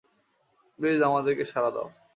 Please, আমাদেরকে সাড়া দাও।